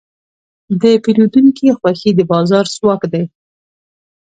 د پیرودونکي خوښي د بازار ځواک دی.